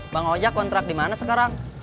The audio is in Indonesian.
bang ojek kontrak di mana sekarang